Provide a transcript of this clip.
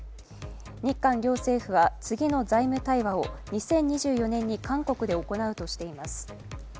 日韓両政府は次の財務対話を２０２４年に韓国で行うとしています。